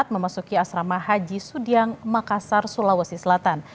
memasuki asrama haji sudiang makassar sulawesi selatan